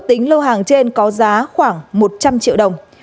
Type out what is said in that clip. tính lô hàng trên có giá khoảng một trăm linh triệu đồng